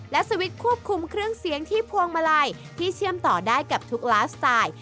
และสวิตช์ควบคุมเครื่องเสียงที่พวงมาลัยที่เชื่อมต่อได้กับทุกไลฟ์สไตล์